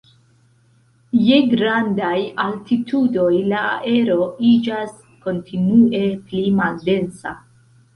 Je grandaj altitudoj la aero iĝas kontinue pli maldensa.